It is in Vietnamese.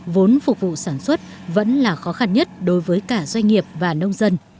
vốn phục vụ sản xuất vẫn là khó khăn nhất đối với cả doanh nghiệp và nông dân